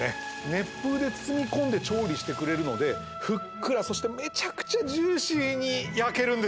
熱風で包み込んで調理してくれるのでふっくらそしてめちゃくちゃジューシーに焼けるんですよ